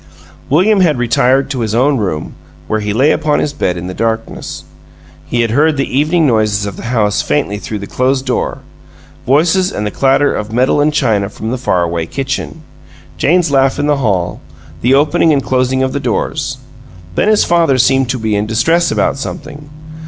William had retired to his own room, where he lay upon his bed in the darkness. He heard the evening noises of the house faintly through the closed door: voices and the clatter of metal and china from the far away kitchen, Jane's laugh in the hall, the opening and closing of the doors. Then his father seemed to be in distress about something.